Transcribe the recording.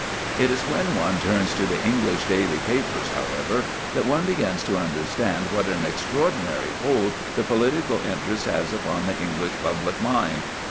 It is when one turns to the English daily papers, however, that one begins to understand what an extraordinary hold the political interest has upon the English public mind.